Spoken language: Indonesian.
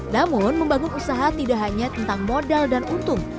namun membangun usaha tidak hanya tentang modal dan untung